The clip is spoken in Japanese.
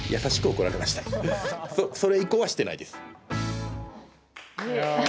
それ以降は、してないです。